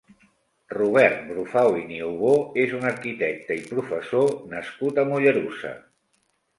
Robert Brufau i Niubó és un arquitecte i professor nascut a Mollerussa.